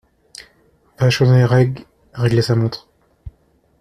Vachonnet Rég … réglait sa montre !